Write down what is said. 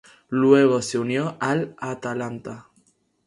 Luego se unió al Atalanta.